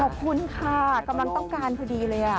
ขอบคุณค่ะกำลังต้องการพอดีเลย